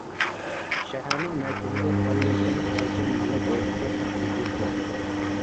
شەھەرنىڭ مەركىزىدە خەلىپىنىڭ ئالتۇن رەڭلىك ئوردىسى قەد كۆتۈرۈپ تۇراتتى.